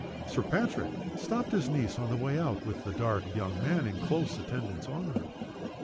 Sir Patrick stopped his niece on her way out, with the dark young man in close attendance on her.